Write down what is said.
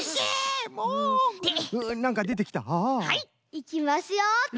いきますよ。